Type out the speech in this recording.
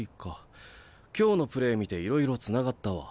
今日のプレー見ていろいろつながったわ。